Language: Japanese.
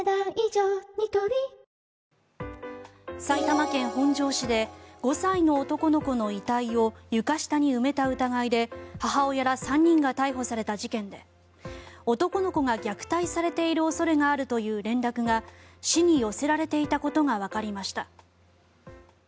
埼玉県本庄市で５歳の男の子の遺体を床下に埋めた疑いで母親ら３人が逮捕された事件で男の子が虐待されている恐れがあるという連絡が市に寄せられていたことがわかりました。